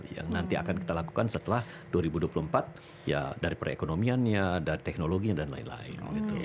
yang nanti akan kita lakukan setelah dua ribu dua puluh empat ya dari perekonomiannya dari teknologinya dan lain lain